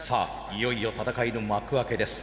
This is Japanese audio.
いよいよ戦いの幕開けです。